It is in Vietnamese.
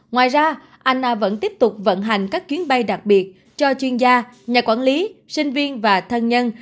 ngoài ra anha vẫn tiếp tục vận hành các chuyến bay đặc biệt cho chuyên gia nhà quản lý sinh viên và thân nhân